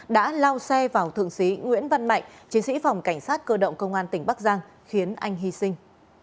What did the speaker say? đã lao xe vào thượng úy nguyễn văn mạnh chiến sĩ phòng cảnh sát cơ động công an tỉnh bắc giang khiến anh hy sinh